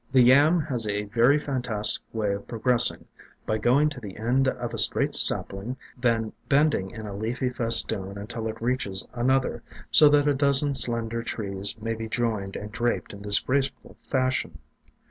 The Yam has a very fantastic way of progress ing, by going to the end of a straight sapling, then bending in a leafy festoon until it reaches another, so that a dozen slender trees may be joined and draped in this graceful fashion.